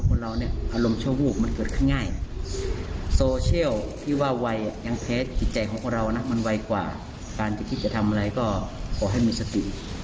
การคิดจะทำอะไรก็ขอให้มิสติ